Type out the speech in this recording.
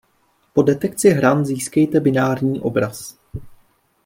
Po detekci hran získejte binární obraz.